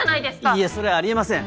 いいえそれはあり得ません。